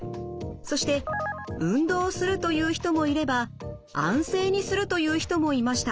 そして運動するという人もいれば安静にするという人もいました。